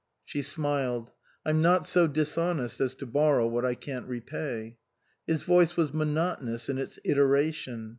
She smiled. " I'm not so dishonest as to bor row what I can't repay." His voice was monotonous in its iteration.